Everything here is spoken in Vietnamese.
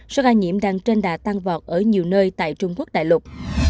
số ca nhiễm đang trên đà tăng vọt ở nhiều nơi tại trung quốc đại lục